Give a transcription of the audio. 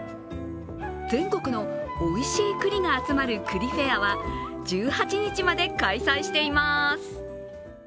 全国のおいしい栗が集まる栗フェアは１８日まで開催しています。